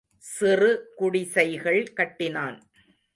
சிறு குடிசைகள் கட்டினான்.